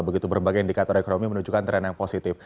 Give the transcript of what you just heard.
begitu berbagai indikator ekonomi menunjukkan tren yang positif